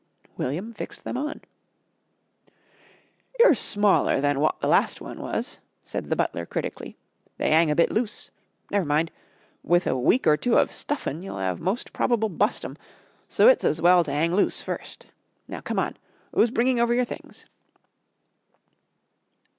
William fixed them on. "You're smaller than wot the last one was," said the butler critically. "They 'ang a bit loose. Never mind. With a week or two of stuffin' you'll 'ave most probable bust 'em, so it's as well to 'ang loose first. Now, come on. 'Oo's bringing over your things?"